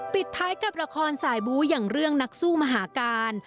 ปิดท้ายกับละครสายบู้อย่างเรื่องนักสู้มหาการ